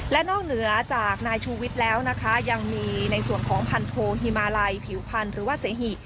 และนอกเหนือจากนายชูวิทย์แล้วนะคะยังมีในส่วนของพันโทฮิมาลัยผิวพันธ์หรือว่าเสหิ